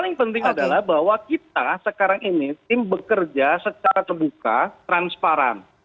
yang paling penting adalah bahwa kita sekarang ini tim bekerja secara terbuka transparan